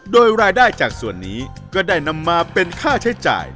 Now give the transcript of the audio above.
โดยรายได้จากส่วนนี้ก็ได้นำมาเป็นค่าใช้จ่าย